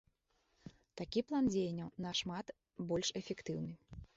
Такі план дзеянняў нашмат больш эфектыўны.